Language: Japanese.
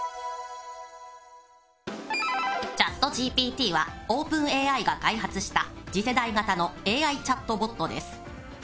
ＣｈａｔＧＰＴはオープンＡＩが開発した次世代型のＡＩチャットボットです。